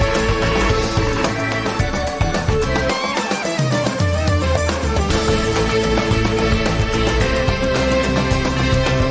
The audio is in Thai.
โปรดติดตามตอนต่อไป